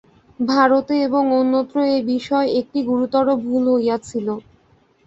ভারতে এবং অন্যত্র এ বিষয়ে একটি গুরুতর ভুল হইয়াছিল।